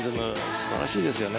素晴らしいですよね。